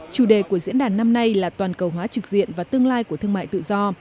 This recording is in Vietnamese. chủ đề của diễn đàn năm nay là toàn cầu hóa trực diện và tương lai của thương mại tự do